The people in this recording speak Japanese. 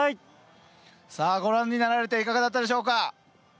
ご覧になられていかがだったでしょうか？